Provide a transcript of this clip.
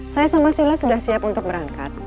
saya sama sila sudah siap untuk berangkat